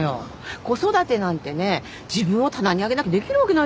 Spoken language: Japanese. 子育てなんてね自分を棚に上げなきゃできるわけないでしょ。